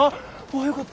あよかった。